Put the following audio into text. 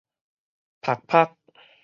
曝曝